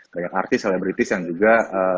banyak artis selebritis yang juga